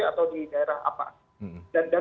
atau di daerah apa